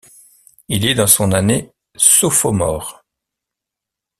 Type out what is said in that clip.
Il est dans son année sophomore.